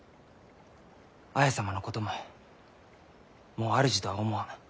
綾様のことももう主とは思わん。